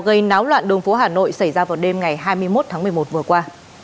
gây náo loạn đường phố hà nội xảy ra vào đêm ngày hai mươi một tháng một mươi một vừa qua